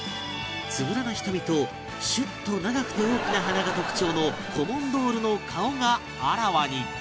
つぶらな瞳とシュッと長くて大きな鼻が特徴のコモンドールの顔があらわに